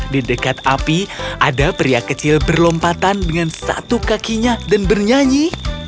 di dekat api ada pria kecil berlompatan dengan satu kakinya dan bernyanyi